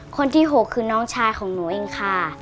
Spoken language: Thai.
คนที่๖คือน้องชายของหนูเองค่ะ